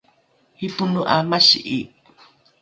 ripono ’a masi’i